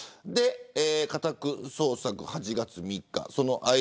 家宅捜索が８月３日。